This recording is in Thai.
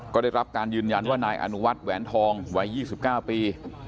ก็ได้รับการยืนยันว่านายอนุวัฒน์แหวนทองวัย๒๙ปี